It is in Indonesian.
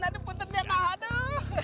aduh bentengnya aduh